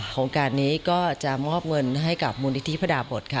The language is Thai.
โครงการนี้ก็จะมอบเงินให้กับมูลนิธิพระดาบทค่ะ